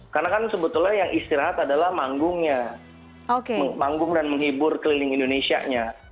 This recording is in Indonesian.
karena kan sebetulnya yang istirahat adalah manggungnya manggung dan menghibur keliling indonesia nya